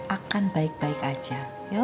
akan baik baik aja